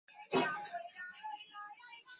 পান্ডার ছোঁয়া নিলে।